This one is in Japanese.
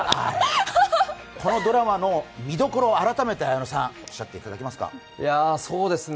このドラマの見どころを改めておっしゃっていただけますか？